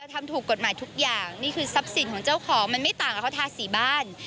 ทำถูกกฎหมายทุกอย่างนี่คือทรัพย์สินของเจ้าของมันไม่ต่างกับเขาทาสีบ้าน